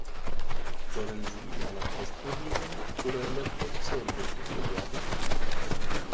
Sollen sie in einer Testumgebung oder in der Produktion durchgeführt werden?